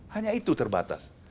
hanya itu terbatas